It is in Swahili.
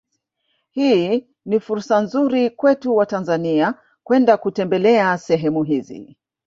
Hii ni fursa nzuri kwetu watanzania kwenda kutembelea sehemu hizi